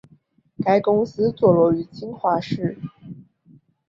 该公司坐落在金华市。